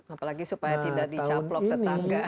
apalagi supaya tidak dicaplok ke tangga